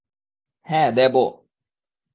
হ্যাঁ, দেব।